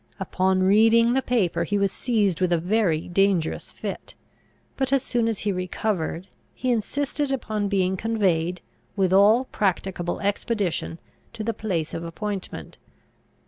Upon reading the paper he was seized with a very dangerous fit; but, as soon as he recovered, he insisted upon being conveyed, with all practicable expedition, to the place of appointment.